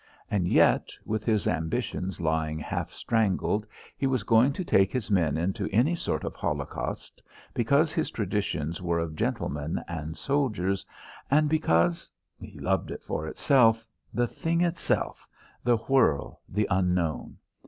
And yet, with his ambitions lying half strangled, he was going to take his men into any sort of holocaust, because his traditions were of gentlemen and soldiers, and because he loved it for itself the thing itself the whirl, the unknown.